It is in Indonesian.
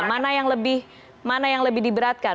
mana yang lebih diberatkan